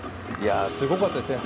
すごかったですね。